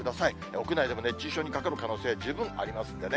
屋内でも熱中症にかかる可能性、十分ありますのでね。